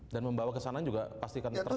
dan membawa kesana juga pastikan tertanam